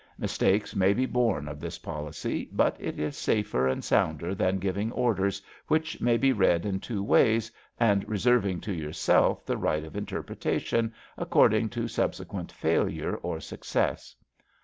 Mistakes may be bom of this policy, but it is safer and sounder than giving orders which may be read in two ways and reserving to yourself the right of interpretation 152 ABAFT THE FUNNEL according to subsequent failure or success.